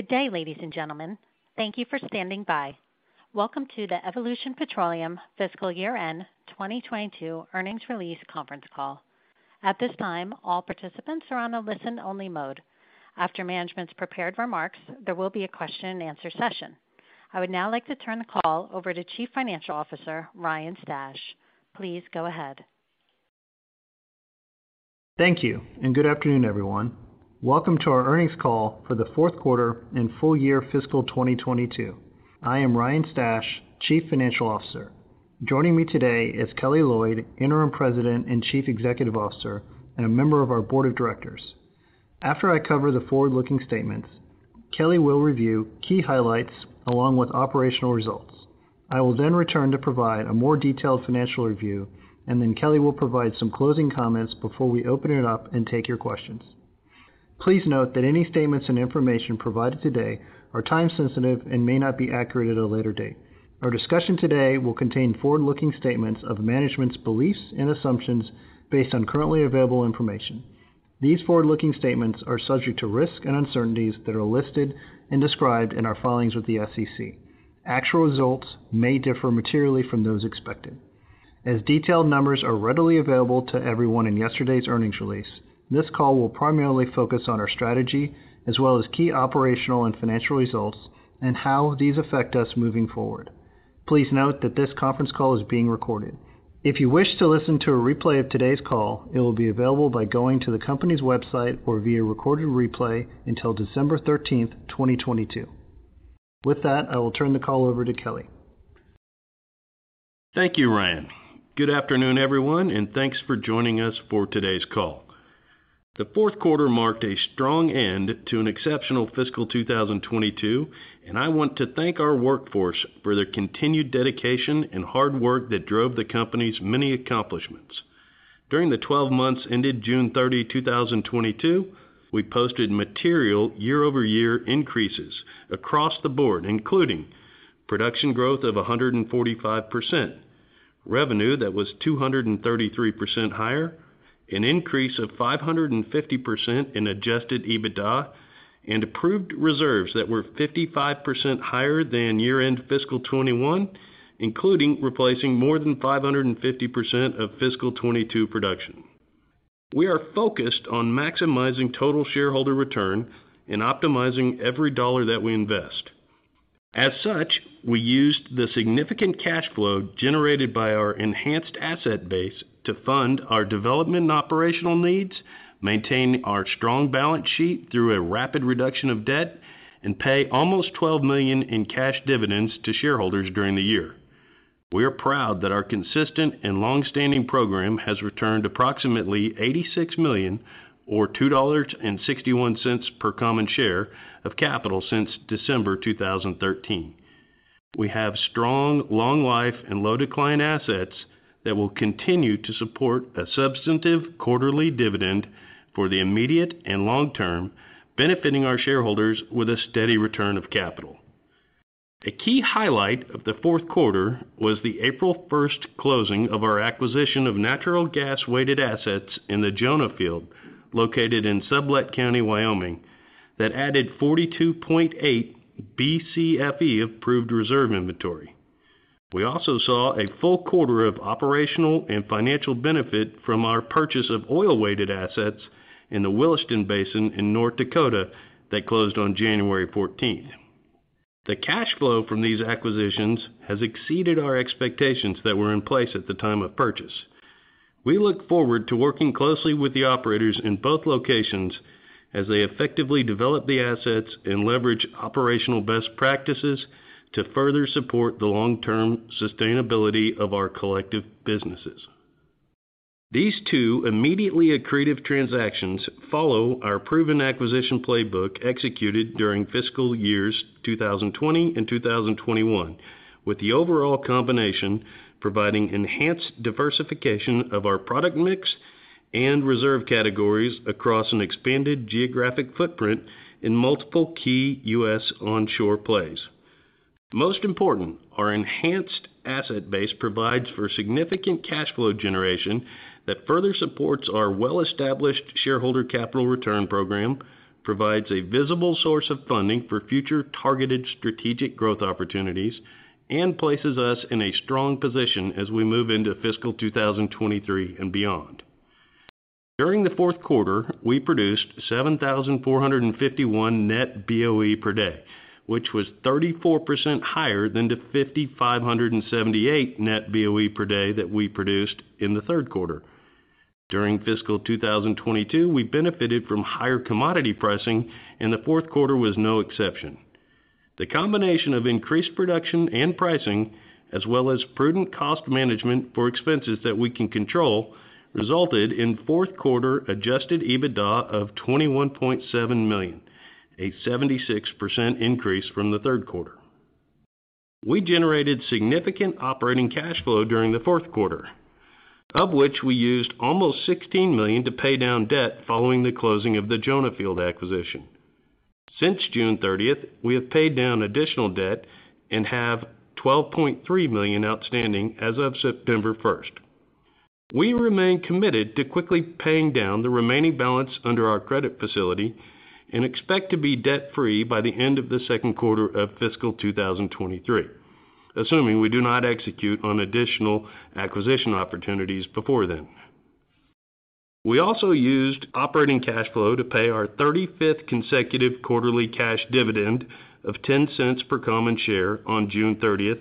Good day, ladies and gentlemen. Thank you for standing by. Welcome to the Evolution Petroleum Fiscal Year End 2022 earnings release conference call. At this time, all participants are on a listen-only mode. After management's prepared remarks, there will be a question-and-answer session. I would now like to turn the call over to Chief Financial Officer, Ryan Stash. Please go ahead. Thank you, and good afternoon, everyone. Welcome to our earnings call for the fourth quarter and full-year fiscal 2022. I am Ryan Stash, Chief Financial Officer. Joining me today is Kelly Loyd, Interim President and Chief Executive Officer, and a member of our board of directors. After I cover the forward-looking statements, Kelly will review key highlights along with operational results. I will then return to provide a more detailed financial review, and then Kelly will provide some closing comments before we open it up and take your questions. Please note that any statements and information provided today are time-sensitive and may not be accurate at a later date. Our discussion today will contain forward-looking statements of management's beliefs and assumptions based on currently available information. These forward-looking statements are subject to risks and uncertainties that are listed and described in our filings with the SEC. Actual results may differ materially from those expected. As detailed numbers are readily available to everyone in yesterday's earnings release, this call will primarily focus on our strategy as well as key operational and financial results and how these affect us moving forward. Please note that this conference call is being recorded. If you wish to listen to a replay of today's call, it will be available by going to the company's website or via recorded replay until December thirteenth, twenty twenty-two. With that, I will turn the call over to Kelly. Thank you, Ryan. Good afternoon, everyone, and thanks for joining us for today's call. The fourth quarter marked a strong end to an exceptional fiscal 2022, and I want to thank our workforce for their continued dedication and hard work that drove the company's many accomplishments. During the 12 months ended June 30, 2022, we posted material year-over-year increases across the board, including production growth of 145%, revenue that was 233% higher, an increase of 550% in adjusted EBITDA, and approved reserves that were 55% higher than year-end fiscal 2021, including replacing more than 550% of fiscal 2022 production. We are focused on maximizing total shareholder return and optimizing every dollar that we invest. As such, we used the significant cash flow generated by our enhanced asset base to fund our development and operational needs, maintain our strong balance sheet through a rapid reduction of debt, and pay almost $12 million in cash dividends to shareholders during the year. We are proud that our consistent and long-standing program has returned approximately $86 million or $2.61 per common share of capital since December 2013. We have strong, long life and low decline assets that will continue to support a substantive quarterly dividend for the immediate and long-term benefiting our shareholders with a steady return of capital. A key highlight of the fourth quarter was the April 1 closing of our acquisition of natural gas-weighted assets in the Jonah Field, located in Sublette County, Wyoming, that added 42.8 Bcfe of proved reserve inventory. We also saw a full quarter of operational and financial benefit from our purchase of oil-weighted assets in the Williston Basin in North Dakota that closed on January 14th. The cash flow from these acquisitions has exceeded our expectations that were in place at the time of purchase. We look forward to working closely with the operators in both locations as they effectively develop the assets and leverage operational best practices to further support the long-term sustainability of our collective businesses. These two immediately accretive transactions follow our proven acquisition playbook executed during fiscal years 2020 and 2021, with the overall combination providing enhanced diversification of our product mix and reserve categories across an expanded geographic footprint in multiple key US onshore plays. Most important, our enhanced asset base provides for significant cash flow generation that further supports our well-established shareholder capital return program, provides a visible source of funding for future targeted strategic growth opportunities, and places us in a strong position as we move into fiscal 2023 and beyond. During the fourth quarter, we produced 7,451 net BOE per day, which was 34% higher than the 5,578 net BOE per day that we produced in the third quarter. During fiscal 2022, we benefited from higher commodity pricing, and the fourth quarter was no exception. The combination of increased production and pricing, as well as prudent cost management for expenses that we can control, resulted in fourth quarter adjusted EBITDA of $21.7 million, a 76% increase from the third quarter. We generated significant operating cash flow during the fourth quarter, of which we used almost $16 million to pay down debt following the closing of the Jonah Field acquisition. Since June 30th, we have paid down additional debt and have $12.3 million outstanding as of September 1st. We remain committed to quickly paying down the remaining balance under our credit facility and expect to be debt-free by the end of the second quarter of fiscal 2023, assuming we do not execute on additional acquisition opportunities before then. We also used operating cash flow to pay our 35th consecutive quarterly cash dividend of $0.10 per common share on June 30th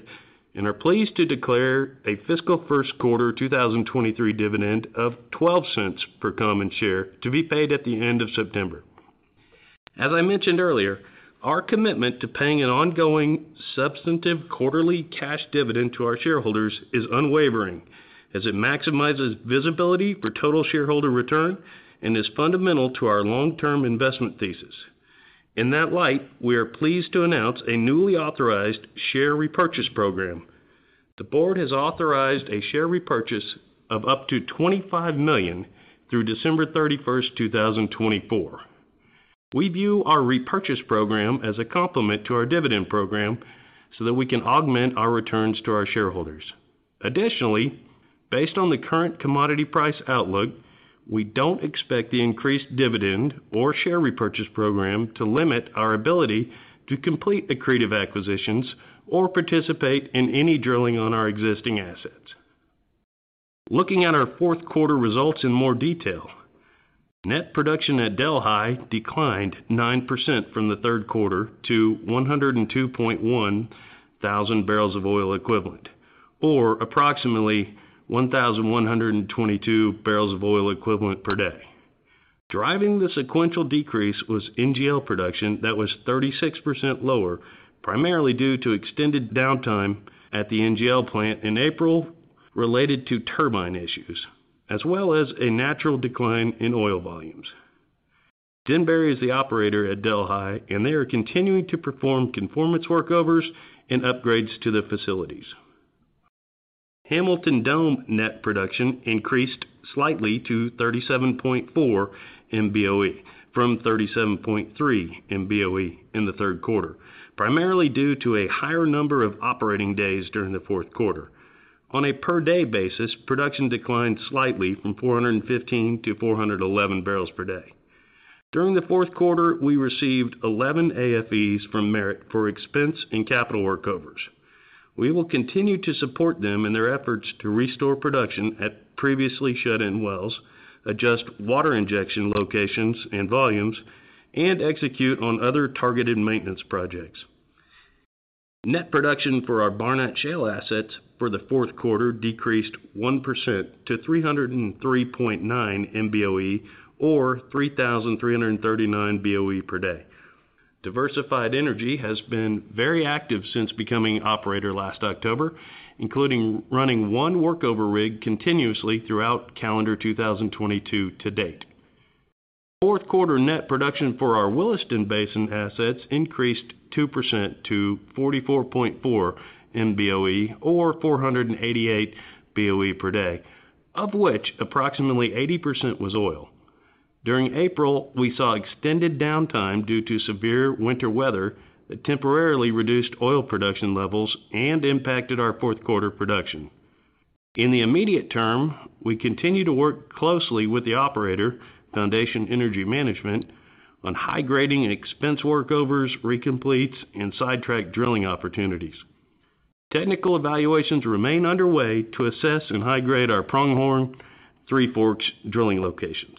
and are pleased to declare a fiscal first quarter 2023 dividend of $0.12 per common share to be paid at the end of September. As I mentioned earlier, our commitment to paying an ongoing substantive quarterly cash dividend to our shareholders is unwavering as it maximizes visibility for total shareholder return and is fundamental to our long-term investment thesis. In that light, we are pleased to announce a newly authorized share repurchase program. The board has authorized a share repurchase of up to 25 million through December 31st, 2024. We view our repurchase program as a complement to our dividend program so that we can augment our returns to our shareholders. Additionally, based on the current commodity price outlook, we don't expect the increased dividend or share repurchase program to limit our ability to complete accretive acquisitions or participate in any drilling on our existing assets. Looking at our fourth quarter results in more detail, net production at Delhi declined 9% from the third quarter to 102.1 thousand barrels of oil equivalent, or approximately 1,122 barrels of oil equivalent per day. Driving the sequential decrease was NGL production that was 36% lower, primarily due to extended downtime at the NGL plant in April related to turbine issues, as well as a natural decline in oil volumes. Denbury is the operator at Delhi, and they are continuing to perform conformance workovers and upgrades to the facilities. Hamilton Dome net production increased slightly to 37.4 MBOE from 37.3 MBOE in the third quarter, primarily due to a higher number of operating days during the fourth quarter. On a per-day basis, production declined slightly from 415 to 411 barrels per day. During the fourth quarter, we received 11 AFEs from Merit for expense and capital workovers. We will continue to support them in their efforts to restore production at previously shut-in wells, adjust water injection locations and volumes, and execute on other targeted maintenance projects. Net production for our Barnett Shale assets for the fourth quarter decreased 1% to 303.9 MBOE or 3,339 BOE per day. Diversified Energy has been very active since becoming operator last October, including running one workover rig continuously throughout calendar 2022 to date. Fourth quarter net production for our Williston Basin assets increased 2% to 44.4 MBOE or 488 BOE per day, of which approximately 80% was oil. During April, we saw extended downtime due to severe winter weather that temporarily reduced oil production levels and impacted our fourth quarter production. In the immediate term, we continue to work closely with the operator, Foundation Energy Management, on high grading and expense workovers, recompletes, and sidetrack drilling opportunities. Technical evaluations remain underway to assess and high grade our Pronghorn Three Forks drilling locations.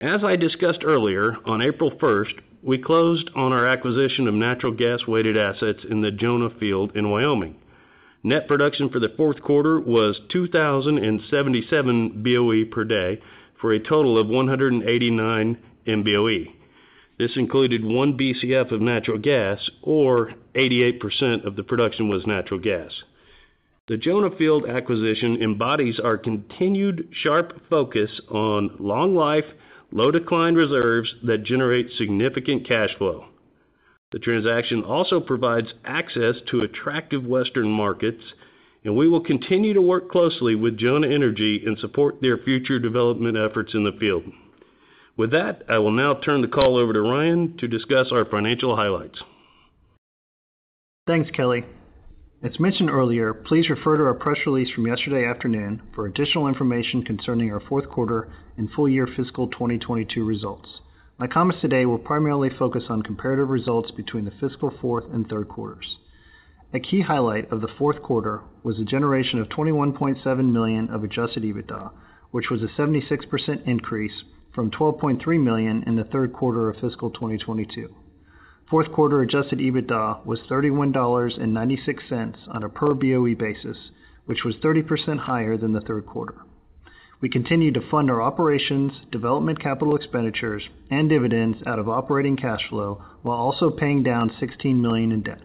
As I discussed earlier, on April 1st, we closed on our acquisition of natural gas-weighted assets in the Jonah Field in Wyoming. Net production for the fourth quarter was 2,077 BOE per day for a total of 189 MBOE. This included 1 BCF of natural gas, or 88% of the production was natural gas. The Jonah Field acquisition embodies our continued sharp focus on long life, low decline reserves that generate significant cash flow. The transaction also provides access to attractive Western markets, and we will continue to work closely with Jonah Energy and support their future development efforts in the field. With that, I will now turn the call over to Ryan to discuss our financial highlights. Thanks, Kelly. As mentioned earlier, please refer to our press release from yesterday afternoon for additional information concerning our fourth quarter and full-year fiscal 2022 results. My comments today will primarily focus on comparative results between the fiscal fourth and third quarters. A key highlight of the fourth quarter was a generation of $21.7 million of adjusted EBITDA, which was a 76% increase from $12.3 million in the third quarter of fiscal 2022. Fourth quarter adjusted EBITDA was $31.96 on a per BOE basis, which was 30% higher than the third quarter. We continue to fund our operations, development capital expenditures, and dividends out of operating cash flow while also paying down $16 million in debt.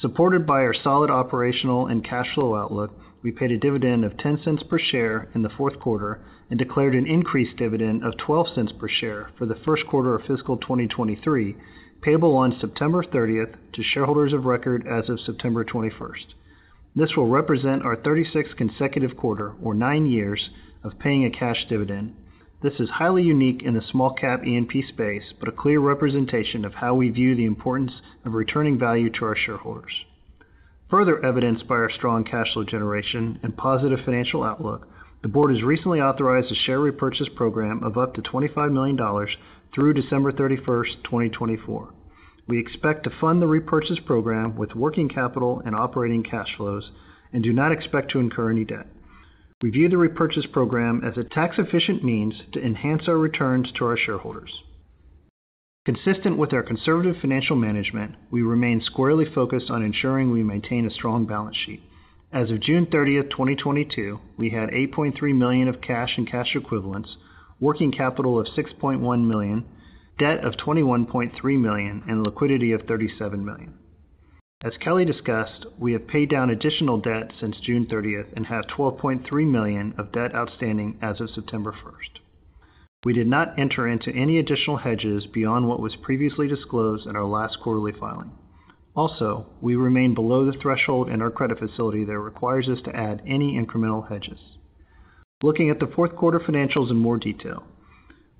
Supported by our solid operational and cash flow outlook, we paid a dividend of $0.10 per share in the fourth quarter and declared an increased dividend of $0.12 per share for the first quarter of fiscal 2023, payable on September 30 to shareholders of record as of September 21st. This will represent our 36th consecutive quarter or nine years of paying a cash dividend. This is highly unique in a small-cap E&P space, but a clear representation of how we view the importance of returning value to our shareholders. Further evidenced by our strong cash flow generation and positive financial outlook, the board has recently authorized a share repurchase program of up to $25 million through December 31st, 2024. We expect to fund the repurchase program with working capital and operating cash flows and do not expect to incur any debt. We view the repurchase program as a tax efficient means to enhance our returns to our shareholders. Consistent with our conservative financial management, we remain squarely focused on ensuring we maintain a strong balance sheet. As of June 30th, 2022, we had $8.3 million of cash and cash equivalents, working capital of $6.1 million, debt of $21.3 million, and liquidity of $37 million. As Kelly discussed, we have paid down additional debt since June 30th and have $12.3 million of debt outstanding as of September 1st. We did not enter into any additional hedges beyond what was previously disclosed in our last quarterly filing. Also, we remain below the threshold in our credit facility that requires us to add any incremental hedges. Looking at the fourth quarter financials in more detail,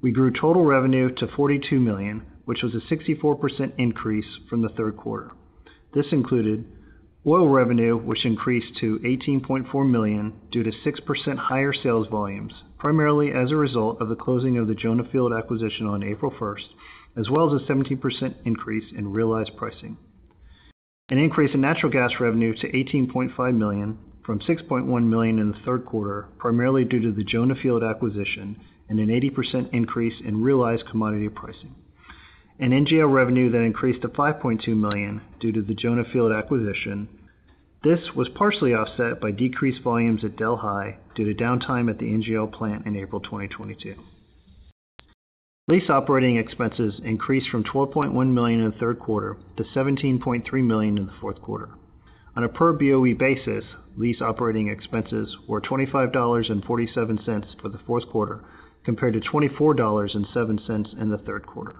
we grew total revenue to $42 million, which was a 64% increase from the third quarter. This included oil revenue, which increased to $18.4 million due to 6% higher sales volumes, primarily as a result of the closing of the Jonah Field acquisition on April 1st, as well as a 17% increase in realized pricing. An increase in natural gas revenue to $18.5 million from $6.1 million in the third quarter, primarily due to the Jonah Field acquisition and an 80% increase in realized commodity pricing. NGL revenue that increased to $5.2 million due to the Jonah Field acquisition. This was partially offset by decreased volumes at Delhi due to downtime at the NGL plant in April 2022. Lease operating expenses increased from $12.1 million in the third quarter to $17.3 million in the fourth quarter. On a per BOE basis, lease operating expenses were $25.47 for the fourth quarter, compared to $24.07 in the third quarter.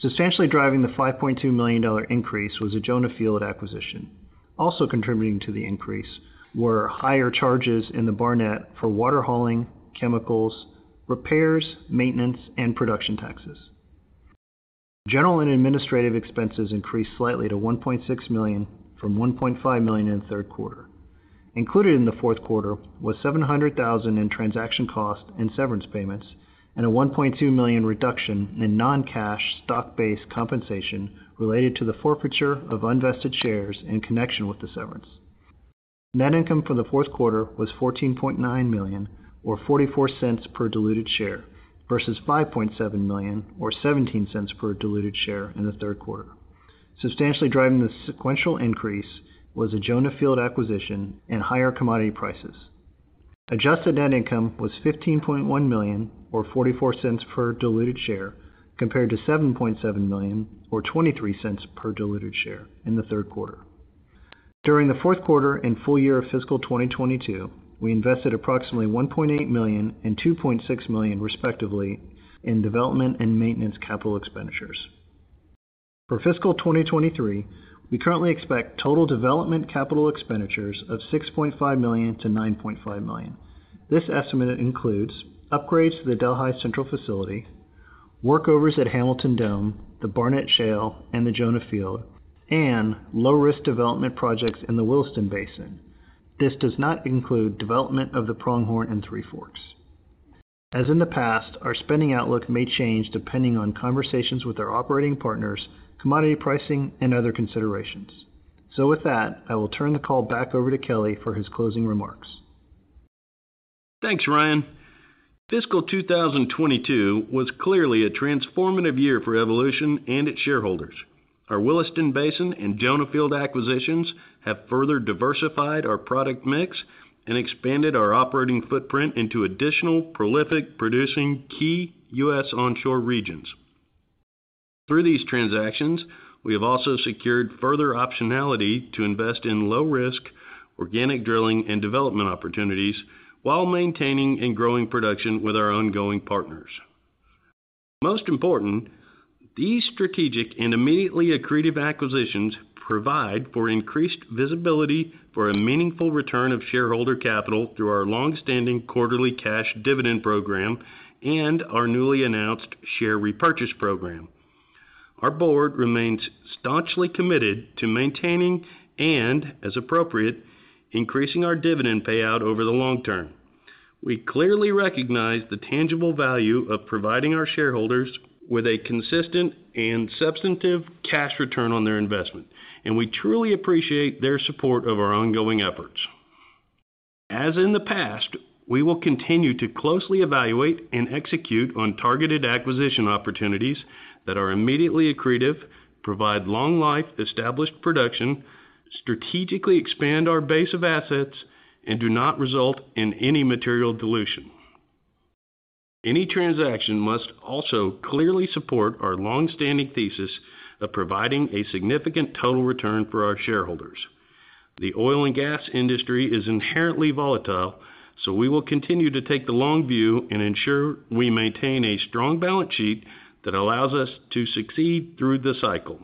Substantially driving the $5.2 million increase was the Jonah Field acquisition. Also contributing to the increase were higher charges in the Barnett for water hauling, chemicals, repairs, maintenance, and production taxes. General and administrative expenses increased slightly to $1.6 million from $1.5 million in the third quarter. Included in the fourth quarter was $700,000 in transaction costs and severance payments, and a $1.2 million reduction in non-cash stock-based compensation related to the forfeiture of unvested shares in connection with the severance. Net income for the fourth quarter was $14.9 million or $0.44 per diluted share, versus $5.7 million or $0.17 per diluted share in the third quarter. Substantially driving the sequential increase was the Jonah Field acquisition and higher commodity prices. Adjusted net income was $15.1 million or $0.44 per diluted share, compared to $7.7 million or $0.23 per diluted share in the third quarter. During the fourth quarter and full-year of fiscal 2022, we invested approximately $1.8 million and $2.6 million, respectively, in development and maintenance capital expenditures. For fiscal 2023, we currently expect total development capital expenditures of $6.5 million-$9.5 million. This estimate includes upgrades to the Delhi Central facility, workovers at Hamilton Dome, the Barnett Shale, and the Jonah Field, and low risk development projects in the Williston Basin. This does not include development of the Pronghorn and Three Forks. As in the past, our spending outlook may change depending on conversations with our operating partners, commodity pricing, and other considerations. With that, I will turn the call back over to Kelly for his closing remarks. Thanks, Ryan. Fiscal 2022 was clearly a transformative year for Evolution and its shareholders. Our Williston Basin and Jonah Field acquisitions have further diversified our product mix and expanded our operating footprint into additional prolific producing key US onshore regions. Through these transactions, we have also secured further optionality to invest in low risk, organic drilling, and development opportunities while maintaining and growing production with our ongoing partners. Most important, these strategic and immediately accretive acquisitions provide for increased visibility for a meaningful return of shareholder capital through our long-standing quarterly cash dividend program and our newly announced share repurchase program. Our board remains staunchly committed to maintaining and, as appropriate, increasing our dividend payout over the long term. We clearly recognize the tangible value of providing our shareholders with a consistent and substantive cash return on their investment, and we truly appreciate their support of our ongoing efforts. As in the past, we will continue to closely evaluate and execute on targeted acquisition opportunities that are immediately accretive, provide long life established production, strategically expand our base of assets, and do not result in any material dilution. Any transaction must also clearly support our long-standing thesis of providing a significant total return for our shareholders. The oil and gas industry is inherently volatile, so we will continue to take the long view and ensure we maintain a strong balance sheet that allows us to succeed through the cycle.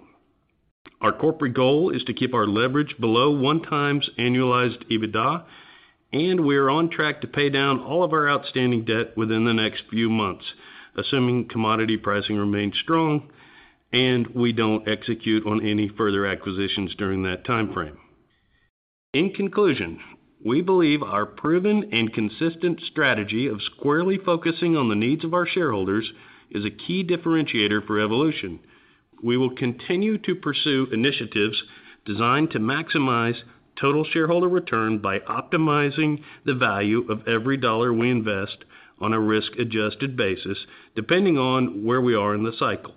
Our corporate goal is to keep our leverage below 1x annualized EBITDA, and we are on track to pay down all of our outstanding debt within the next few months, assuming commodity pricing remains strong and we don't execute on any further acquisitions during that timeframe. In conclusion, we believe our proven and consistent strategy of squarely focusing on the needs of our shareholders is a key differentiator for Evolution. We will continue to pursue initiatives designed to maximize total shareholder return by optimizing the value of every dollar we invest on a risk-adjusted basis, depending on where we are in the cycle.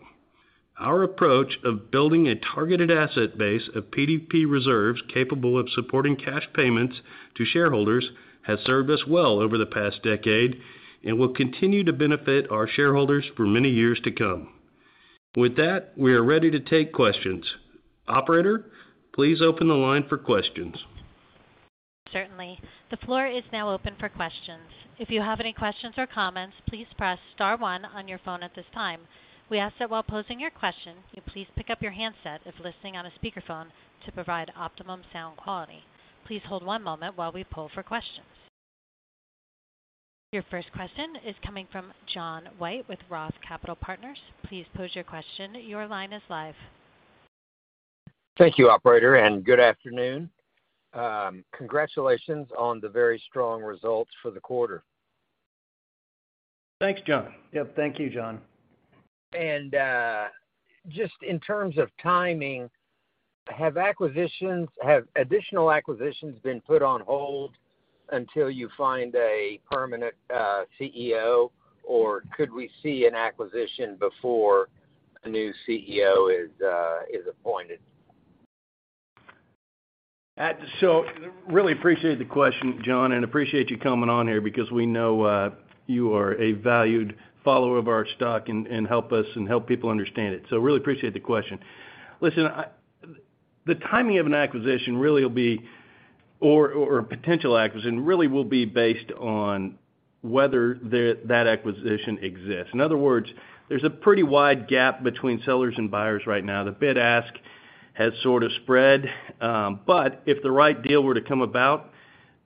Our approach of building a targeted asset base of PDP reserves capable of supporting cash payments to shareholders has served us well over the past decade and will continue to benefit our shareholders for many years to come. With that, we are ready to take questions. Operator, please open the line for questions. Certainly. The floor is now open for questions. If you have any questions or comments, please press star one on your phone at this time. We ask that while posing your question, you please pick up your handset if listening on a speakerphone to provide optimum sound quality. Please hold one moment while we poll for questions. Your first question is coming from John White with Roth Capital Partners. Please pose your question. Your line is live. Thank you, operator, and good afternoon. Congratulations on the very strong results for the quarter. Thanks, John. Yep. Thank you, John. Just in terms of timing, have additional acquisitions been put on hold until you find a permanent CEO, or could we see an acquisition before a new CEO is appointed? Really appreciate the question, John, and appreciate you coming on here because we know you are a valued follower of our stock and help us and help people understand it. Really appreciate the question. Listen, the timing of an acquisition really will be or a potential acquisition really will be based on whether that acquisition exists. In other words, there's a pretty wide gap between sellers and buyers right now. The bid-ask has sort of spread. But if the right deal were to come about,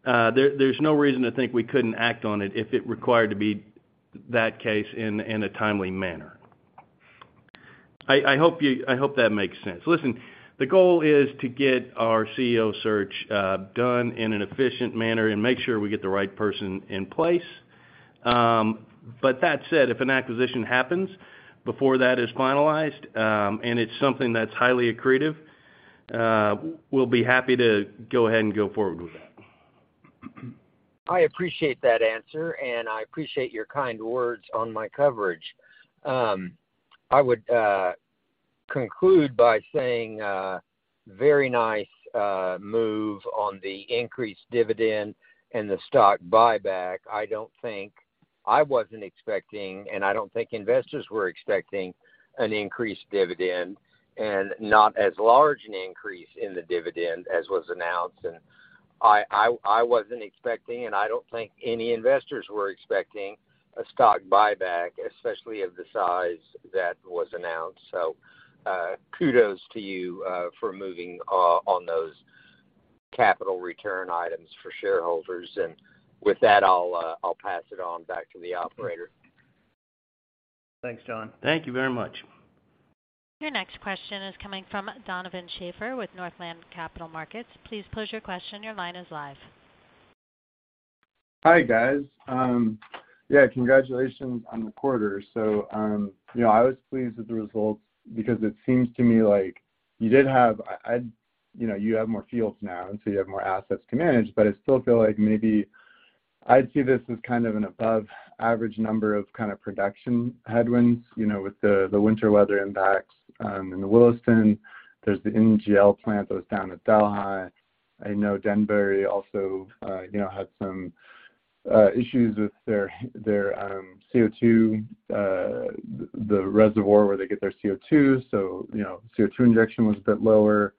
there's no reason to think we couldn't act on it if it required to be that case in a timely manner. I hope that makes sense. Listen, the goal is to get our CEO search done in an efficient manner and make sure we get the right person in place. That said, if an acquisition happens before that is finalized, and it's something that's highly accretive, we'll be happy to go ahead and go forward with that. I appreciate that answer, and I appreciate your kind words on my coverage. I would conclude by saying very nice move on the increased dividend and the stock buyback. I don't think I was expecting, and I don't think investors were expecting an increased dividend and not as large an increase in the dividend as was announced. I wasn't expecting, and I don't think any investors were expecting a stock buyback, especially of the size that was announced. Kudos to you for moving on those capital return items for shareholders. With that, I'll pass it on back to the operator. Thanks, John. Thank you very much. Your next question is coming from Donovan Schafer with Northland Capital Markets. Please pose your question. Your line is live. Hi, guys. Yeah, congratulations on the quarter. You know, I was pleased with the results because it seems to me like you did have, you know, you have more fields now, and so you have more assets to manage. I still feel like maybe I'd see this as kind of an above average number of kind of production headwinds, you know, with the winter weather impacts in the Williston. There's the NGL plant that was down at Delhi. I know Denbury also, you know, had some issues with their CO2, the reservoir where they get their CO2. You know, CO2 injection was a bit lower.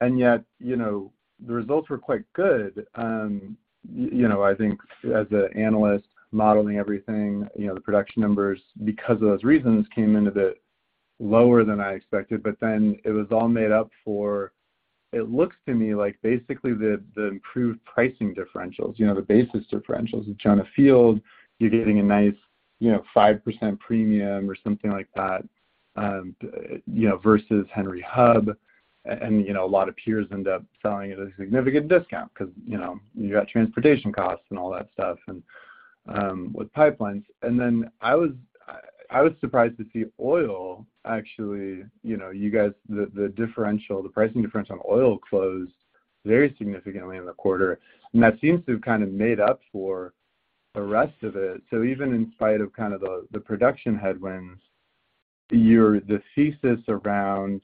Yet, you know, the results were quite good. You know, I think as an analyst modeling everything, you know, the production numbers because of those reasons came in a bit lower than I expected. It was all made up for. It looks to me like basically the improved pricing differentials, you know, the basis differentials. In Jonah Field, you're getting a nice, you know, 5% premium or something like that, you know, versus Henry Hub. You know, a lot of peers end up selling at a significant discount because, you know, you got transportation costs and all that stuff, and with pipelines. I was surprised to see oil actually, you know, you guys, the differential, the pricing difference on oil closed very significantly in the quarter. That seems to kind of made up for the rest of it. Even in spite of kind of the production headwinds, your thesis around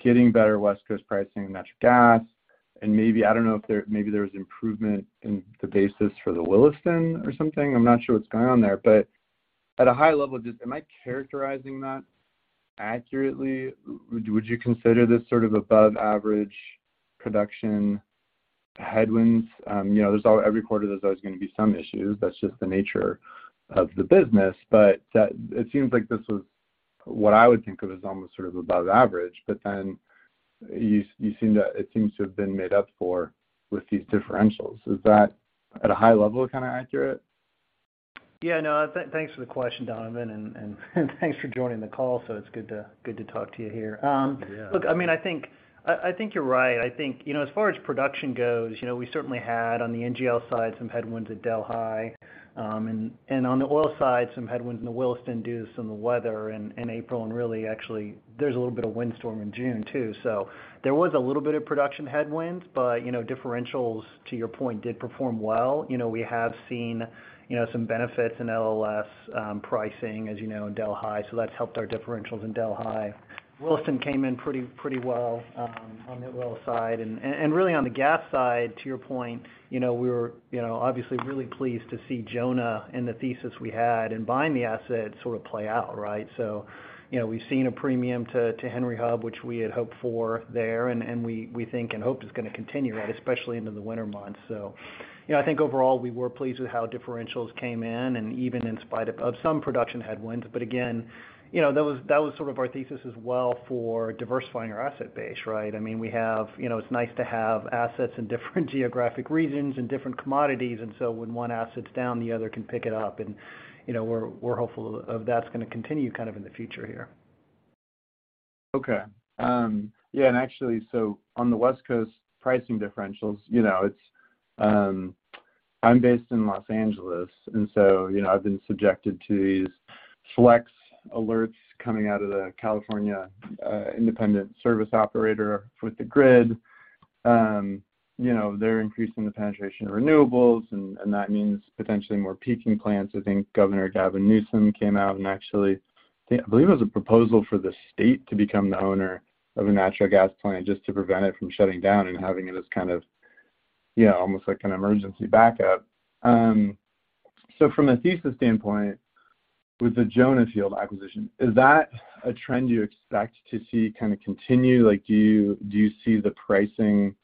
getting better West Coast pricing, natural gas, and maybe, I don't know if there, maybe there was improvement in the basis for the Williston or something. I'm not sure what's going on there. At a high level, just am I characterizing that accurately? Would you consider this sort of above average production headwinds. You know, there's every quarter there's always gonna be some issues. That's just the nature of the business. That it seems like this was what I would think of as almost sort of above average. Then you seem to it seems to have been made up for with these differentials. Is that at a high level kind of accurate? Yeah, no. Thanks for the question, Donovan, and thanks for joining the call. It's good to talk to you here. Yeah. Look, I mean, I think you're right. I think, you know, as far as production goes, you know, we certainly had on the NGL side some headwinds at Delhi. On the oil side, some headwinds in the Williston due to some of the weather in April and really actually there's a little bit of windstorm in June too. There was a little bit of production headwinds. You know, differentials to your point did perform well. You know, we have seen, you know, some benefits in LLS pricing, as you know, in Delhi. So that's helped our differentials in Delhi. Williston came in pretty well on the oil side. Really on the gas side, to your point, you know, we were, you know, obviously really pleased to see Jonah and the thesis we had in buying the asset sort of play out, right? You know, we've seen a premium to Henry Hub, which we had hoped for there. We think and hope it's gonna continue, right, especially into the winter months. You know, I think overall we were pleased with how differentials came in and even in spite of some production headwinds. Again, you know, that was sort of our thesis as well for diversifying our asset base, right? I mean, we have. You know, it's nice to have assets in different geographic regions and different commodities, and so when one asset's down, the other can pick it up. You know, we're hopeful that that's gonna continue kind of in the future here. Okay. Yeah, actually, on the West Coast pricing differentials, you know, it's. I'm based in Los Angeles, and so, you know, I've been subjected to these Flex Alerts coming out of the California Independent System Operator with the grid. You know, they're increasing the penetration of renewables, and that means potentially more peaking plants. I think Governor Gavin Newsom came out and actually, I believe it was a proposal for the state to become the owner of a natural gas plant just to prevent it from shutting down and having it as kind of, you know, almost like an emergency backup. From a thesis standpoint with the Jonah Field acquisition, is that a trend you expect to see kind of continue? Like, do you see the pricing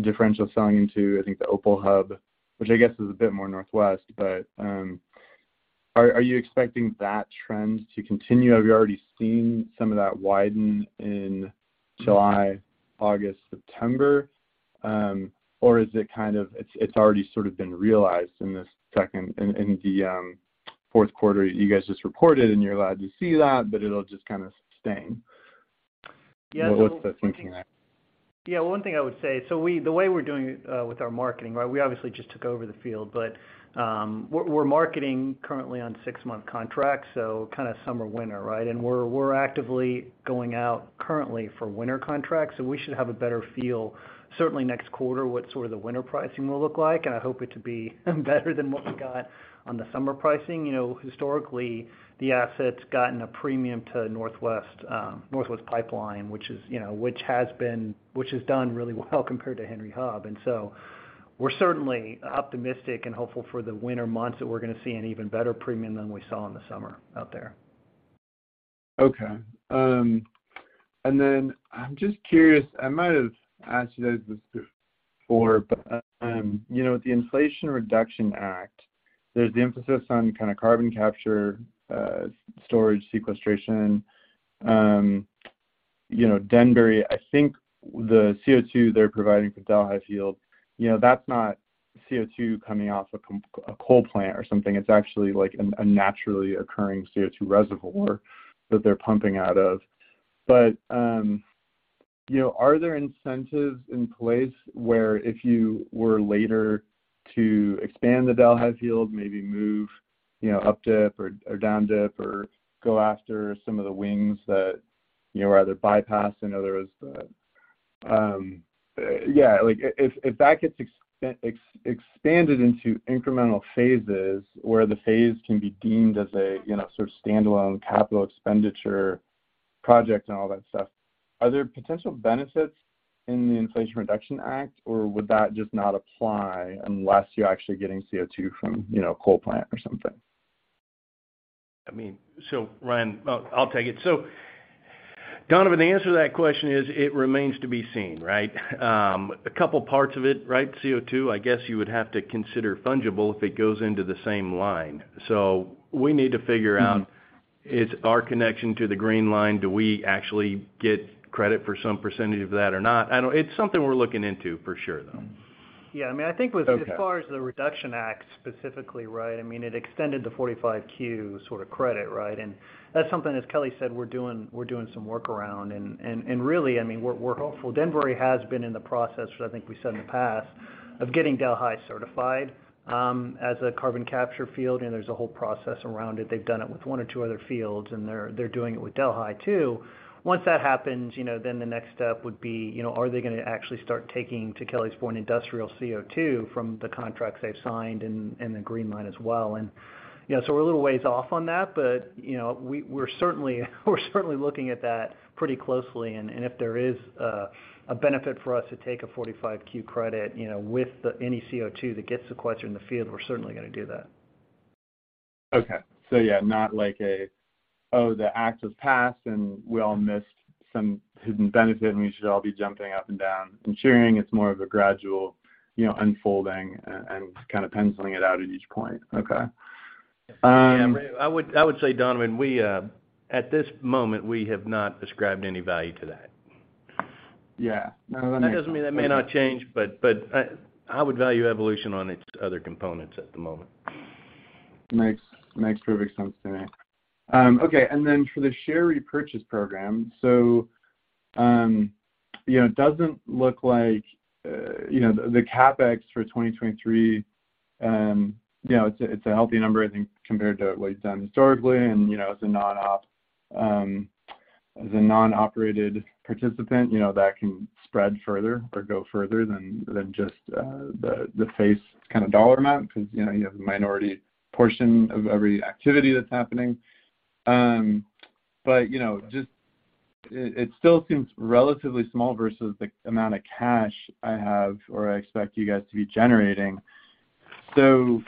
differential selling into, I think, the Opal Hub, which I guess is a bit more Northwest, but are you expecting that trend to continue? Have you already seen some of that widen in July, August, September? Or is it kind of, it's already sort of been realized in the fourth quarter you guys just reported and you're glad to see that, but it'll just kind of sustain? Yeah. What's the thinking there? Yeah. One thing I would say, the way we're doing it with our marketing, right, we obviously just took over the field, but we're marketing currently on six-month contracts, so kind of summer, winter, right? We're actively going out currently for winter contracts. We should have a better feel certainly next quarter what sort of the winter pricing will look like. I hope it to be better than what we got on the summer pricing. You know, historically, the asset's gotten a premium to Northwest Pipeline, which, you know, has done really well compared to Henry Hub. We're certainly optimistic and hopeful for the winter months that we're gonna see an even better premium than we saw in the summer out there. Okay. I'm just curious, I might have asked you guys this before, but you know, the Inflation Reduction Act, there's the emphasis on kind of carbon capture, storage sequestration. You know, Denbury, I think the CO2 they're providing for Delhi Field, you know, that's not CO2 coming off a coal plant or something. It's actually like a naturally occurring CO2 reservoir that they're pumping out of. You know, are there incentives in place where if you were later to expand the Delhi Field, maybe move you know, up dip or down dip or go after some of the wings that you know, are either bypassed. Like if that gets expanded into incremental phases where the phase can be deemed as a, you know, sort of standalone capital expenditure project and all that stuff, are there potential benefits in the Inflation Reduction Act, or would that just not apply unless you're actually getting CO2 from, you know, a coal plant or something? I mean, Ryan, I'll take it. Donovan, the answer to that question is it remains to be seen, right? A couple parts of it, right, CO2, I guess you would have to consider fungible if it goes into the same line. We need to figure out, is our connection to the green line, do we actually get credit for some percentage of that or not? It's something we're looking into for sure, though. Yeah. I mean, I think. Okay. As far as the Inflation Reduction Act specifically, right, I mean, it extended the 45Q sort of credit, right? That's something, as Kelly said, we're doing, we're doing some work around. Really, I mean, we're hopeful. Denbury has been in the process, which I think we said in the past, of getting Delhi certified as a carbon capture field, and there's a whole process around it. They've done it with one or two other fields, and they're doing it with Delhi too. Once that happens, you know, then the next step would be, you know, are they gonna actually start taking, to Kelly's point, industrial CO2 from the contracts they've signed and the green line as well. You know, so we're a little ways off on that, but, you know, we're certainly looking at that pretty closely. If there is a benefit for us to take a 45Q credit, you know, with any CO2 that gets sequestered in the field, we're certainly gonna do that. Okay. Yeah, not like a, oh, the act was passed, and we all missed some hidden benefit, and we should all be jumping up and down and cheering. It's more of a gradual, you know, unfolding and kind of penciling it out at each point. Okay. Yeah. I would say, Donovan, at this moment, we have not ascribed any value to that. Yeah. No, I mean. That doesn't mean that may not change, but I would value Evolution on its other components at the moment. Makes perfect sense to me. Okay, you know, it doesn't look like you know, the CapEx for 2023, you know, it's a healthy number, I think, compared to what you've done historically, you know, as a non-op, as a non-operated participant, you know, that can spread further or go further than just the face kind of dollar amount because you know, you have a minority portion of every activity that's happening. You know, it still seems relatively small versus the amount of cash I have or I expect you guys to be generating. Does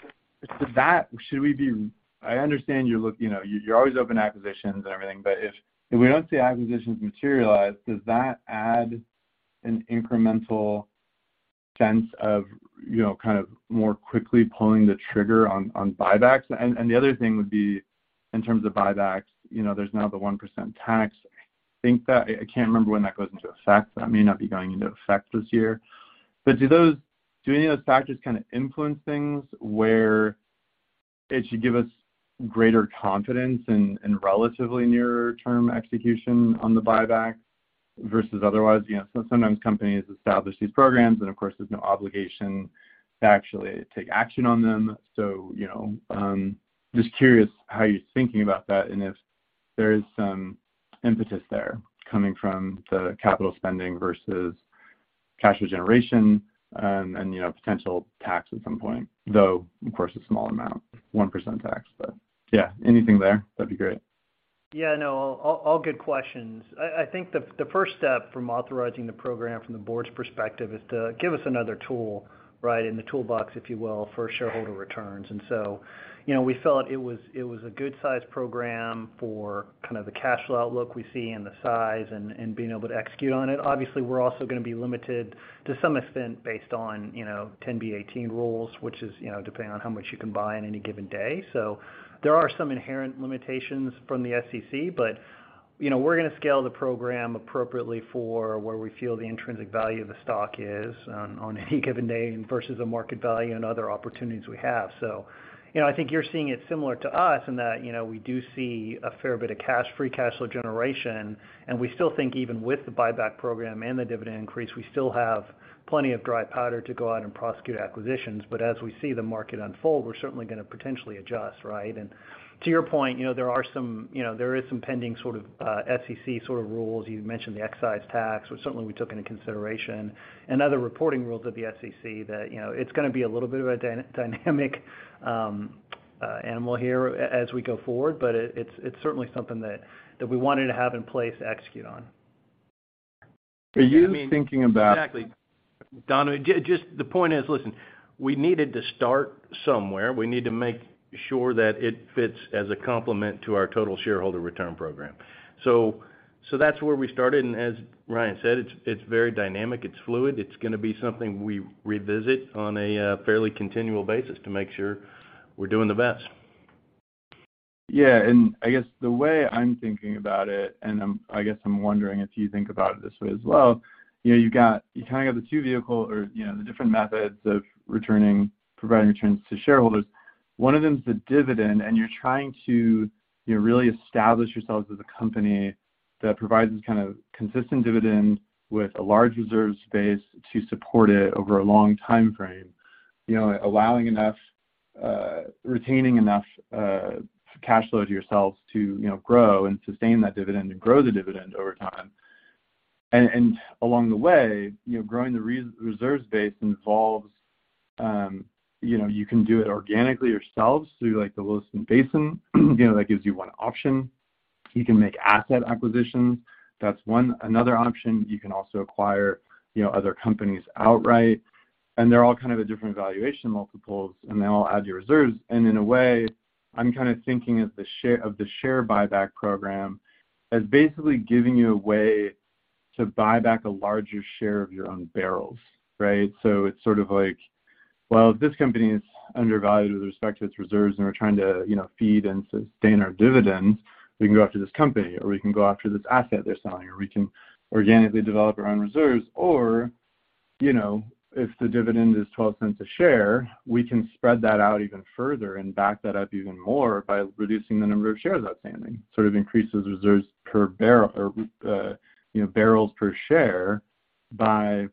that? Should we be? I understand you're looking, you know, you're always open to acquisitions and everything, but if we don't see acquisitions materialize, does that add an incremental sense of, you know, kind of more quickly pulling the trigger on buybacks? The other thing would be in terms of buybacks, you know, there's now the 1% tax. I think that I can't remember when that goes into effect. That may not be going into effect this year. Do any of those factors kind of influence things where it should give us greater confidence in relatively nearer-term execution on the buyback versus otherwise? You know, sometimes companies establish these programs, and of course, there's no obligation to actually take action on them. You know, just curious how you're thinking about that and if there is some impetus there coming from the capital spending versus cash flow generation, and, you know, potential tax at some point, though, of course, a small amount, 1% tax. Yeah, anything there, that'd be great. Yeah. No. All good questions. I think the first step from authorizing the program from the board's perspective is to give us another tool, right, in the toolbox, if you will, for shareholder returns. You know, we felt it was a good-sized program for kind of the cash flow outlook we see and the size and being able to execute on it. Obviously, we're also gonna be limited to some extent based on, you know, 10b-18 rules, which is, you know, depending on how much you can buy on any given day. There are some inherent limitations from the SEC, but, you know, we're gonna scale the program appropriately for where we feel the intrinsic value of the stock is on any given day versus the market value and other opportunities we have. You know, I think you're seeing it similar to us in that, you know, we do see a fair bit of cash, free cash flow generation, and we still think even with the buyback program and the dividend increase, we still have plenty of dry powder to go out and prosecute acquisitions. As we see the market unfold, we're certainly gonna potentially adjust, right? To your point, you know, there are some, you know, there is some pending sort of SEC sort of rules. You mentioned the excise tax, which certainly we took into consideration, and other reporting rules of the SEC that, you know, it's gonna be a little bit of a dynamic animal here as we go forward, but it's certainly something that we wanted to have in place to execute on. Are you thinking about? I mean, exactly. Donovan, just the point is, listen, we needed to start somewhere. We need to make sure that it fits as a complement to our total shareholder return program. So that's where we started, and as Ryan said, it's very dynamic. It's fluid. It's gonna be something we revisit on a fairly continual basis to make sure we're doing the best. Yeah. I guess the way I'm thinking about it, and I guess I'm wondering if you think about it this way as well, you know, you've got. You kind of have the two vehicle or, you know, the different methods of returning, providing returns to shareholders. One of them is the dividend, and you're trying to, you know, really establish yourselves as a company that provides this kind of consistent dividend with a large reserve space to support it over a long timeframe. You know, allowing enough, retaining enough cash flow to yourselves to, you know, grow and sustain that dividend and grow the dividend over time. And along the way, you know, growing the reserves base involves, you know, you can do it organically yourselves through, like, the Williston Basin. You know, that gives you one option. You can make asset acquisitions. That's one. Another option, you can also acquire, you know, other companies outright. They're all kind of at different valuation multiples, and they all add your reserves. In a way, I'm kinda thinking of the share buyback program as basically giving you a way to buy back a larger share of your own barrels, right? It's sort of like, well, this company is undervalued with respect to its reserves, and we're trying to, you know, feed and sustain our dividends. We can go after this company, or we can go after this asset they're selling, or we can organically develop our own reserves. You know, if the dividend is $0.12 a share, we can spread that out even further and back that up even more by reducing the number of shares outstanding, sort of increases reserves per barrel or, you know, barrels per share by, you know,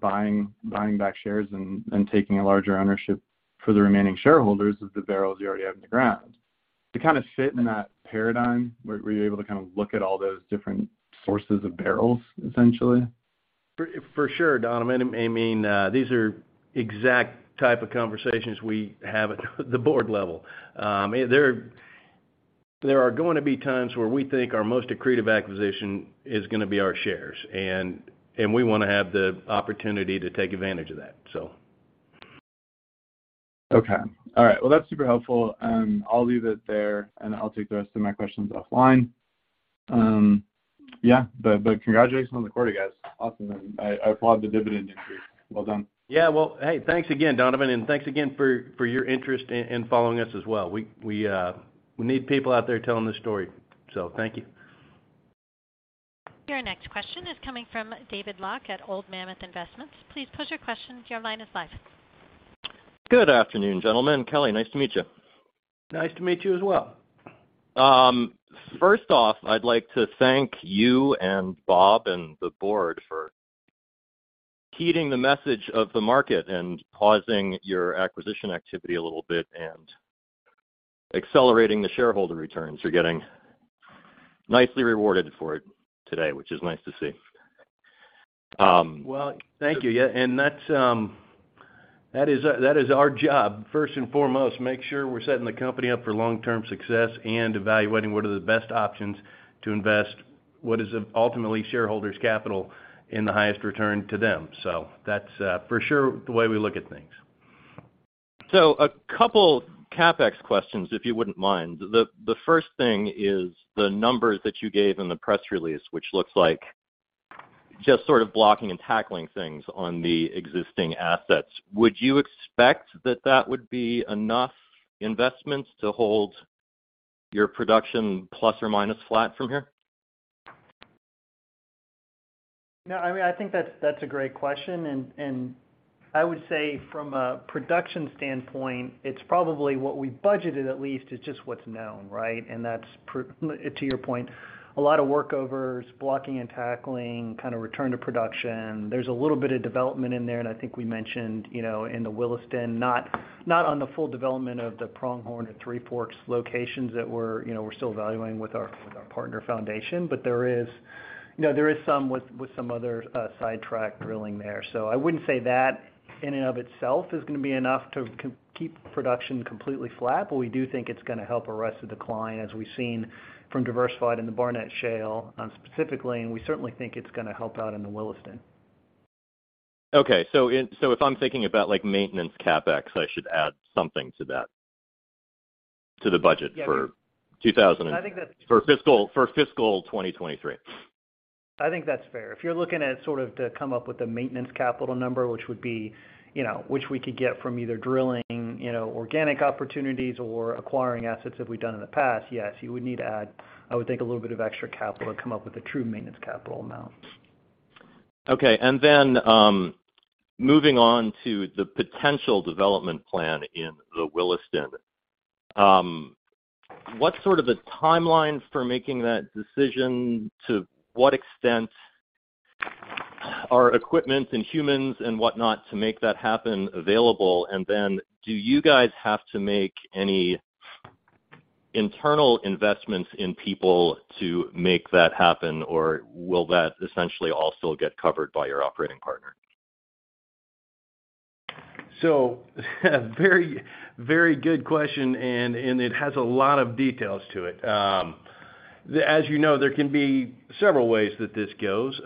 buying back shares and taking a larger ownership for the remaining shareholders of the barrels you already have in the ground. To kind of fit in that paradigm, were you able to kind of look at all those different sources of barrels essentially? For sure, Donovan. I mean, these are exact type of conversations we have at the board level. There are going to be times where we think our most accretive acquisition is gonna be our shares, and we wanna have the opportunity to take advantage of that. Okay. All right. Well, that's super helpful, and I'll leave it there, and I'll take the rest of my questions offline. Congratulations on the quarter, guys. Awesome. I applaud the dividend increase. Well done. Yeah. Well, hey, thanks again, Donovan, and thanks again for your interest in following us as well. We need people out there telling the story, so thank you. Your next question is coming from David Locke at Old Mammoth Investments. Please pose your question. Your line is live. Good afternoon, gentlemen. Kelly, nice to meet you. Nice to meet you as well. First off, I'd like to thank you and Bob and the board for heeding the message of the market and pausing your acquisition activity a little bit and accelerating the shareholder returns. You're getting nicely rewarded for it today, which is nice to see. Well, thank you. Yeah. That's that is our job, first and foremost, make sure we're setting the company up for long-term success and evaluating what are the best options to invest what is ultimately shareholders' capital in the highest return to them. That's, for sure, the way we look at things. A couple CapEx questions, if you wouldn't mind. The first thing is the numbers that you gave in the press release, which looks like just sort of blocking and tackling things on the existing assets. Would you expect that would be enough investments to hold your production plus or minus flat from here? No, I mean, I think that's a great question, and I would say from a production standpoint, it's probably what we budgeted at least is just what's known, right? That's to your point, a lot of workovers, blocking and tackling, kind of return to production. There's a little bit of development in there, and I think we mentioned, you know, in the Williston, not on the full development of the Pronghorn or Three Forks locations that we're, you know, we're still evaluating with our partner Foundation. You know, there is some with some other sidetrack drilling there. I wouldn't say that in and of itself is gonna be enough to keep production completely flat, but we do think it's gonna help arrest the decline as we've seen from Diversified in the Barnett Shale, specifically, and we certainly think it's gonna help out in the Williston. Okay. If I'm thinking about, like, maintenance CapEx, I should add something to that, to the budget for 2000 and- I think that's. For fiscal 2023. I think that's fair. If you're looking at sort of to come up with a maintenance capital number, which would be, you know, which we could get from either drilling, you know, organic opportunities or acquiring assets that we've done in the past, yes, you would need to add, I would think, a little bit of extra capital to come up with a true maintenance capital amount. Okay, moving on to the potential development plan in the Williston. What's sort of the timeline for making that decision? To what extent are equipment and humans and whatnot to make that happen available? Do you guys have to make any internal investments in people to make that happen, or will that essentially also get covered by your operating partner? Very, very good question, and it has a lot of details to it. As you know, there can be several ways that this goes.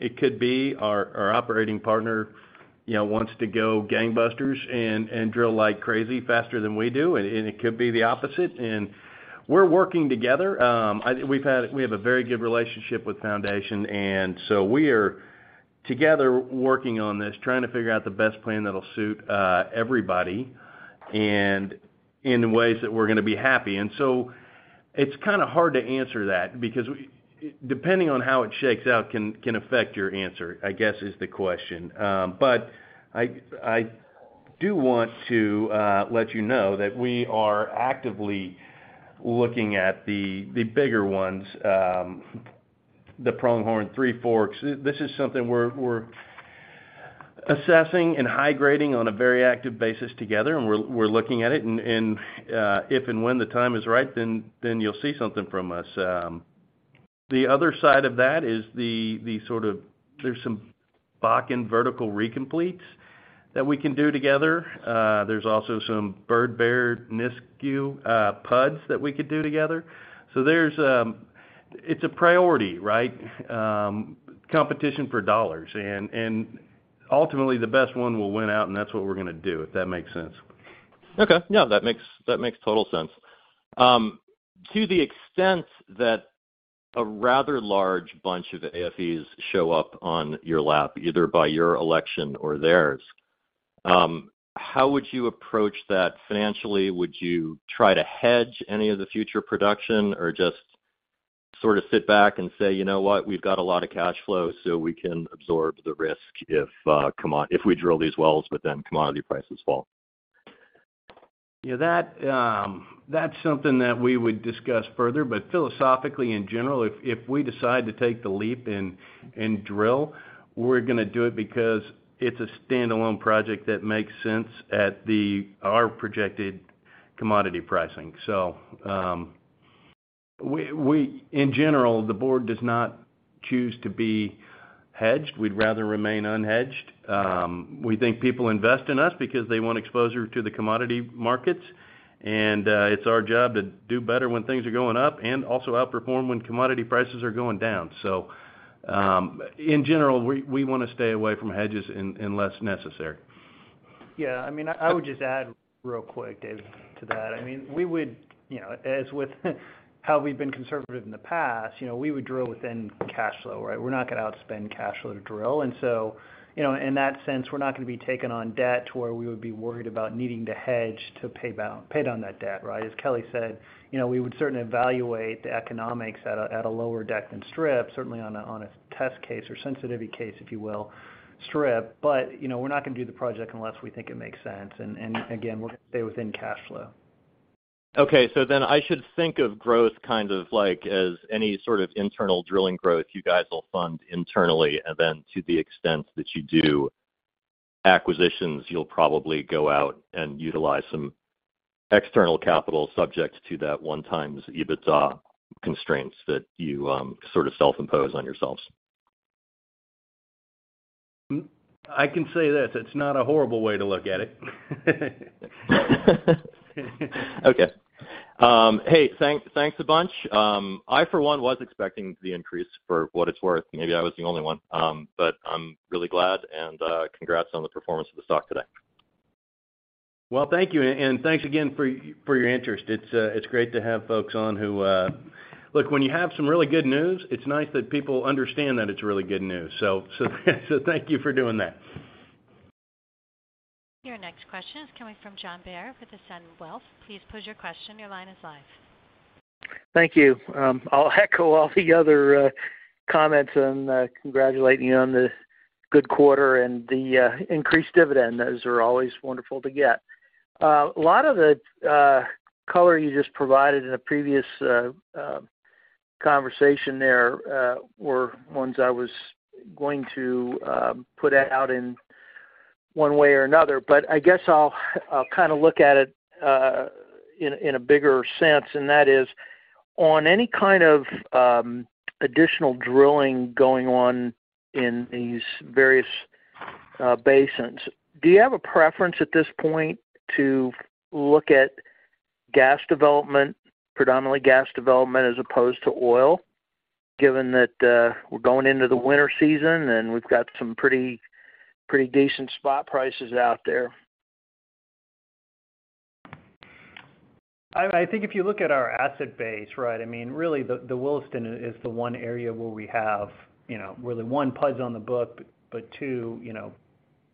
It could be our operating partner, you know, wants to go gangbusters and drill like crazy faster than we do, and it could be the opposite. We're working together. I think we have a very good relationship with Foundation, and so we are together working on this, trying to figure out the best plan that'll suit everybody and in ways that we're gonna be happy. It's kinda hard to answer that because depending on how it shakes out can affect your answer, I guess, is the question. I do want to let you know that we are actively looking at the bigger ones, the Pronghorn, Three Forks. This is something we're assessing and high-grading on a very active basis together, and we're looking at it. If and when the time is right, then you'll see something from us. The other side of that is, there's some Bakken vertical recompletes that we can do together. There's also some Birdbear Nisku PUDs that we could do together. It's a priority, right? Competition for dollars. Ultimately, the best one will win out, and that's what we're gonna do, if that makes sense. Okay. Yeah, that makes total sense. To the extent that a rather large bunch of AFEs show up on your lap, either by your election or theirs, how would you approach that financially? Would you try to hedge any of the future production or just sort of sit back and say, "You know what? We've got a lot of cash flow, so we can absorb the risk if we drill these wells, but then commodity prices fall"? Yeah, that's something that we would discuss further. Philosophically, in general, if we decide to take the leap and drill, we're gonna do it because it's a standalone project that makes sense at our projected commodity pricing. In general, the board does not choose to be hedged. We'd rather remain unhedged. We think people invest in us because they want exposure to the commodity markets, and it's our job to do better when things are going up and also outperform when commodity prices are going down. In general, we wanna stay away from hedges unless necessary. Yeah, I mean, I would just add real quick, David, to that. I mean, we would, you know, as with how we've been conservative in the past, you know, we would drill within cash flow, right? We're not gonna outspend cash flow to drill. You know, in that sense, we're not gonna be taking on debt to where we would be worried about needing to hedge to pay down that debt, right? As Kelly said, you know, we would certainly evaluate the economics at a lower deck than strip, certainly on a test case or sensitivity case, if you will, strip. You know, we're not gonna do the project unless we think it makes sense. Again, we're gonna stay within cash flow. Okay. I should think of growth kind of like as any sort of internal drilling growth you guys will fund internally, and then to the extent that you do acquisitions, you'll probably go out and utilize some external capital subject to that 1x EBITDA constraints that you, sort of self-impose on yourselves. I can say this, it's not a horrible way to look at it. Okay. Hey, thanks a bunch. I for one was expecting the increase for what it's worth. Maybe I was the only one. I'm really glad and congrats on the performance of the stock today. Well, thank you. Thanks again for your interest. It's great to have folks on who look, when you have some really good news, it's nice that people understand that it's really good news. Thank you for doing that. Your next question is coming from John Bair with Ascend Wealth. Please pose your question. Your line is live. Thank you. I'll echo all the other comments and congratulate you on the good quarter and the increased dividend. Those are always wonderful to get. A lot of the color you just provided in a previous conversation there were ones I was going to put out in one way or another, but I guess I'll kinda look at it in a bigger sense, and that is on any kind of additional drilling going on in these various basins, do you have a preference at this point to look at gas development, predominantly gas development as opposed to oil, given that we're going into the winter season, and we've got some pretty decent spot prices out there? I think if you look at our asset base, right, I mean, really the Williston is the one area where we have, you know, really one PUDs on the book, but two, you know,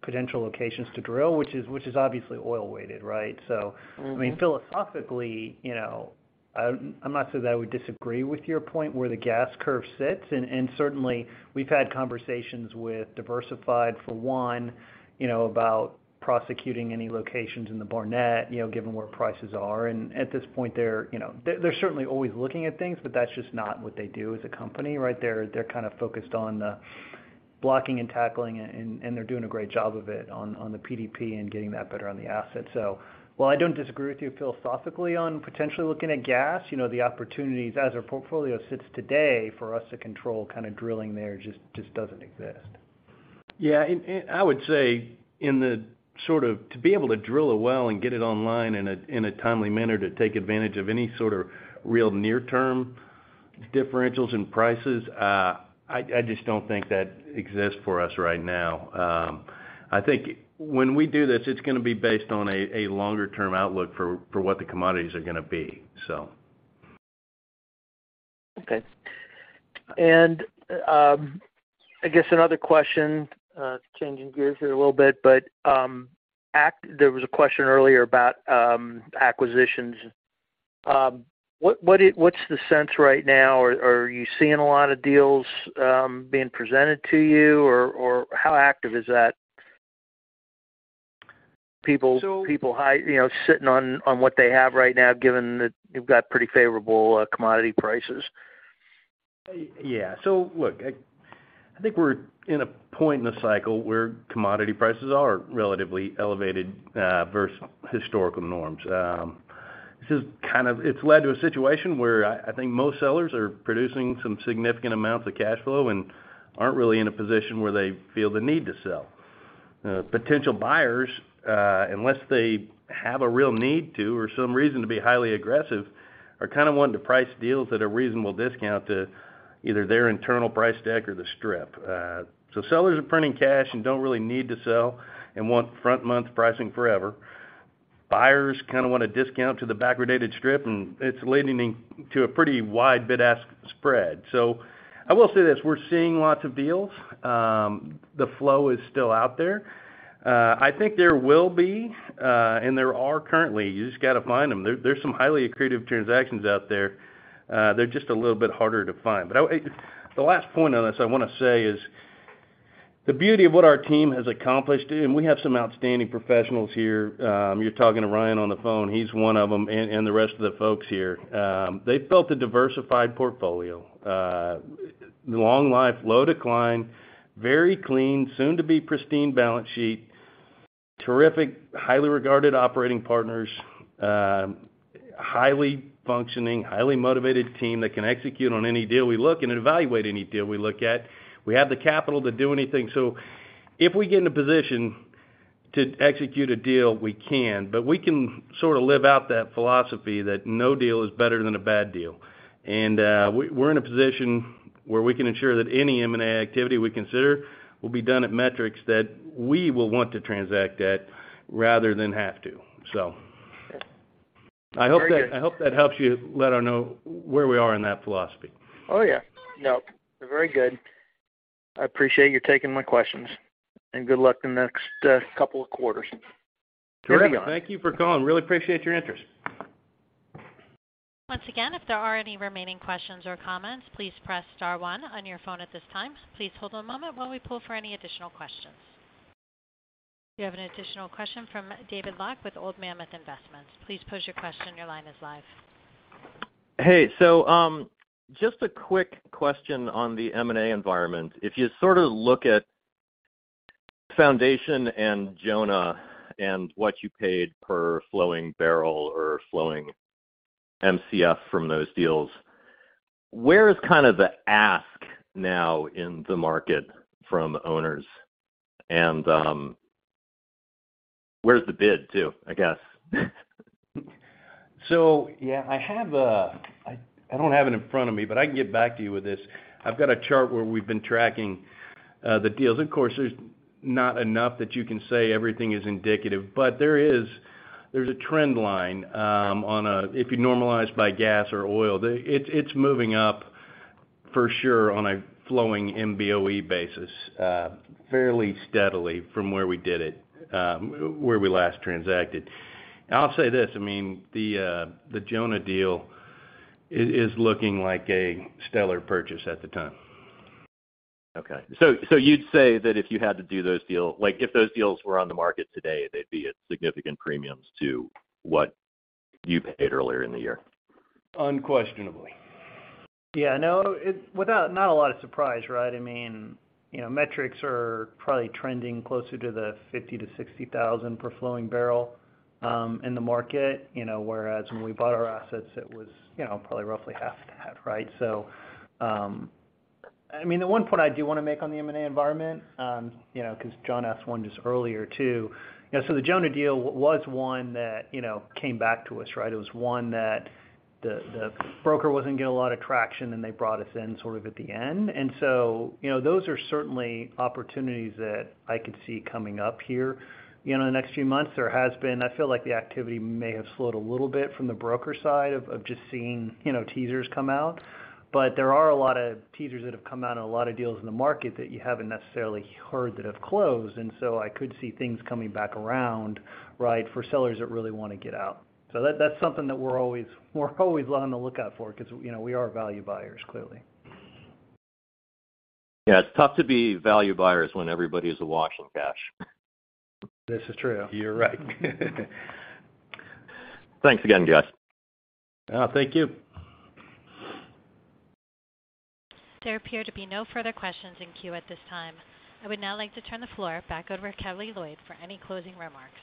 potential locations to drill, which is obviously oil weighted, right? Mm-hmm I mean, philosophically, you know, I'm not sure that I would disagree with your point where the gas curve sits. Certainly we've had conversations with Diversified for one, you know, about prosecuting any locations in the Barnett, you know, given where prices are. At this point they're, you know, they're certainly always looking at things, but that's just not what they do as a company, right? They're kind of focused on the blocking and tackling, and they're doing a great job of it on the PDP and getting that better on the asset. While I don't disagree with you philosophically on potentially looking at gas, you know, the opportunities as our portfolio sits today for us to control kind of drilling there just doesn't exist. Yeah. I would say to be able to drill a well and get it online in a timely manner to take advantage of any sort of real near-term differentials in prices, I just don't think that exists for us right now. I think when we do this, it's gonna be based on a longer term outlook for what the commodities are gonna be so. Okay. I guess another question, changing gears here a little bit, but there was a question earlier about acquisitions. What's the sense right now? Are you seeing a lot of deals being presented to you? Or how active is that? People So- People, you know, sitting on what they have right now, given that you've got pretty favorable commodity prices. Yeah. Look, I think we're in a point in the cycle where commodity prices are relatively elevated versus historical norms. It's led to a situation where I think most sellers are producing some significant amounts of cash flow and aren't really in a position where they feel the need to sell. Potential buyers, unless they have a real need to, or some reason to be highly aggressive, are kinda wanting to price deals at a reasonable discount to either their internal price deck or the strip. Sellers are printing cash and don't really need to sell and want front-month pricing forever. Buyers kinda want a discount to the backwardated strip, and it's leading to a pretty wide bid-ask spread. I will say this, we're seeing lots of deals. The flow is still out there. I think there will be, and there are currently, you just gotta find them. There's some highly accretive transactions out there. They're just a little bit harder to find. The last point on this I wanna say is the beauty of what our team has accomplished, and we have some outstanding professionals here. You're talking to Ryan on the phone, he's one of them, and the rest of the folks here, they've built a diversified portfolio. Long life, low decline, very clean, soon to be pristine balance sheet. Terrific, highly regarded operating partners, highly functioning, highly motivated team that can execute on any deal we look at and evaluate any deal we look at. We have the capital to do anything. If we get in a position to execute a deal, we can, but we can sort of live out that philosophy that no deal is better than a bad deal. We're in a position where we can ensure that any M&A activity we consider will be done at metrics that we will want to transact at rather than have to. I hope that- Very good. I hope that helps you let us know where we are in that philosophy. Oh, yeah. No, very good. I appreciate you taking my questions, and good luck in the next couple of quarters. Sure. Thank you for calling. Really appreciate your interest. Once again, if there are any remaining questions or comments, please press star one on your phone at this time. Please hold a moment while we pull for any additional questions. We have an additional question from David Locke with Old Mammoth Investments. Please pose your question. Your line is live. Hey. Just a quick question on the M&A environment. If you sort of look at Foundation and Jonah and what you paid per flowing barrel or flowing MCF from those deals, where is kind of the ask now in the market from owners and, where's the bid too, I guess? Yeah, I don't have it in front of me, but I can get back to you with this. I've got a chart where we've been tracking the deals. Of course, there's not enough that you can say everything is indicative, but there is a trend line on a, if you normalize by gas or oil, it's moving up for sure on a flowing MBOE basis, fairly steadily from where we did it, where we last transacted. I'll say this, I mean, the Jonah deal is looking like a stellar purchase at the time. Okay. You'd say that if you had to do those deals, like, if those deals were on the market today, they'd be at significant premiums to what you paid earlier in the year. Unquestionably. No, not a lot of surprise, right? I mean, you know, metrics are probably trending closer to the $50,000-$60,000 per flowing barrel in the market, you know, whereas when we bought our assets, it was, you know, probably roughly half that, right? I mean, the one point I do wanna make on the M&A environment, you know, 'cause John asked one just earlier too. You know, the Jonah deal was one that, you know, came back to us, right? It was one that the broker wasn't getting a lot of traction and they brought us in sort of at the end. Those are certainly opportunities that I could see coming up here. You know, in the next few months, there has been. I feel like the activity may have slowed a little bit from the broker side of just seeing, you know, teasers come out. There are a lot of teasers that have come out and a lot of deals in the market that you haven't necessarily heard that have closed. I could see things coming back around, right, for sellers that really wanna get out. That, that's something that we're always on the lookout for because, you know, we are value buyers, clearly. Yeah. It's tough to be value buyers when everybody's awash in cash. This is true. You're right. Thanks again, guys. Yeah. Thank you. There appear to be no further questions in queue at this time. I would now like to turn the floor back over to Kelly Loyd for any closing remarks.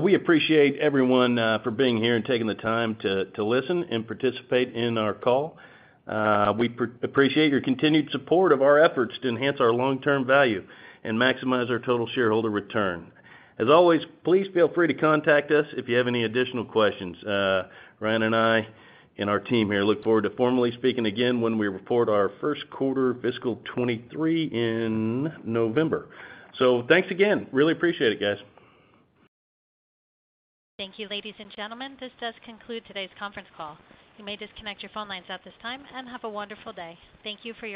We appreciate everyone for being here and taking the time to listen and participate in our call. We appreciate your continued support of our efforts to enhance our long-term value and maximize our total shareholder return. As always, please feel free to contact us if you have any additional questions. Ryan and I and our team here look forward to formally speaking again when we report our first quarter fiscal 2023 in November. Thanks again. Really appreciate it, guys. Thank you, ladies and gentlemen. This does conclude today's conference call. You may disconnect your phone lines at this time, and have a wonderful day. Thank you for your participation.